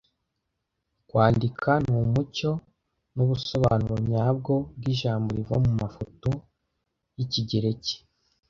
Kwandika numucyo nubusobanuro nyabwo bwijambo riva mumafoto yikigereki